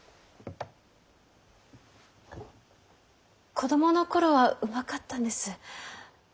子供の頃はうまかったんです。